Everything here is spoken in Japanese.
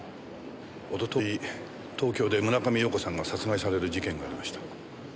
一昨日東京で村上陽子さんが殺害される事件がありました。